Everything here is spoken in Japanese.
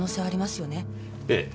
ええ。